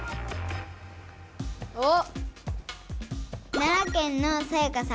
おっ！